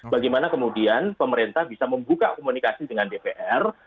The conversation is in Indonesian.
bagaimana kemudian pemerintah bisa membuka komunikasi dengan dpr